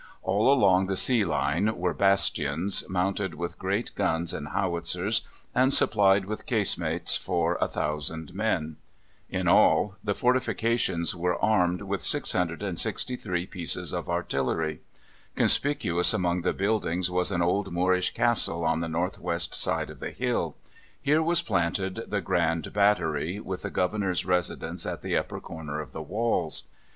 All along the sea line were bastions, mounted with great guns and howitzers, and supplied with casemates for 1,000 men. In all the fortifications were armed with 663 pieces of artillery. Conspicuous among the buildings was an old Moorish castle on the north west side of the hill: here was planted the Grand Battery, with the Governor's residence at the upper corner of the walls.